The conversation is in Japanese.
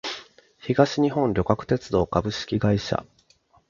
東日本旅客鉄道株式会社